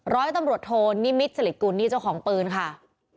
ร้อยตำรวจโทนิมิตรสลิดกุลนี่เจ้าของปืนค่ะ